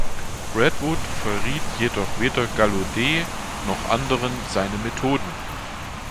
Braidwood verriet jedoch weder Gallaudet noch anderen seine Methoden.